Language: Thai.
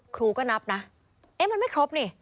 ครูก็นับนะเอ๊ะมันไม่ครบนี่